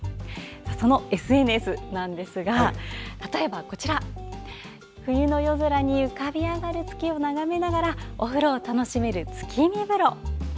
そのＳＮＳなんですが例えばこちら、冬の夜空に浮かび上がる月を眺めながらお風呂を楽しめる月見風呂！